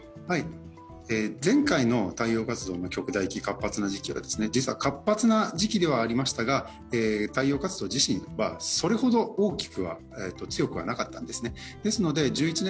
前回の太陽活動の活発な時期は実は活発な時期ではありましたが、太陽活動自身はそれほど大きく強くはなかったんですね。